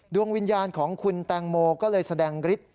ดวงวิญญาณของคุณแตงโมก็เลยแสดงฤทธิ